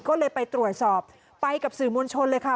ก็เลยไปตรวจสอบไปกับสื่อมวลชนเลยค่ะ